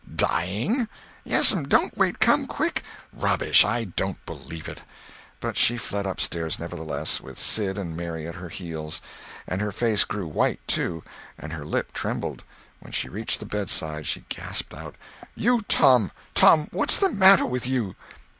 "Dying!" "Yes'm. Don't wait—come quick!" "Rubbage! I don't believe it!" But she fled upstairs, nevertheless, with Sid and Mary at her heels. And her face grew white, too, and her lip trembled. When she reached the bedside she gasped out: "You, Tom! Tom, what's the matter with you?"